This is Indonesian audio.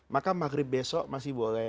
maka maghrib besok masih boleh